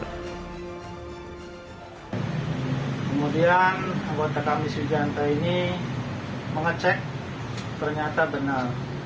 kemudian anggota kamis wijanta ini mengecek ternyata benar